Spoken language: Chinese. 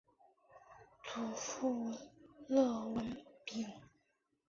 祖父靳文昺。